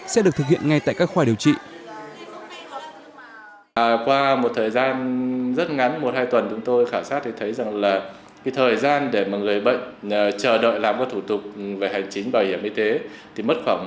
sẽ được thực hiện ngay tại các khoa điều trị